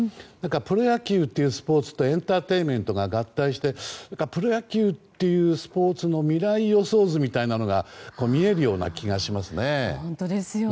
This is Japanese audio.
プロ野球っていうスポーツとエンターテインメントが合体してプロ野球っていうスポーツの未来予想図みたいなものが見えるような気がしますね。